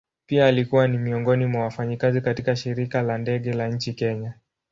Pia alikuwa ni miongoni mwa wafanyakazi katika shirika la ndege la nchini kenya.